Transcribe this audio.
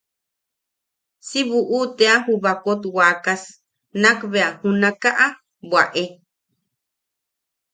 Si buʼu tea ju baakot wakas nakbea junakaʼa bwaʼe.